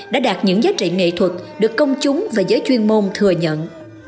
đã đạt những giá trị nghệ thuật được công chúng và giới chuyên môn thừa nhận